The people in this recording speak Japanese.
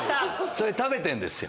それ食べてるんですよ。